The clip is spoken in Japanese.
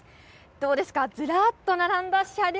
どうですか、ずらっと並んだ車両。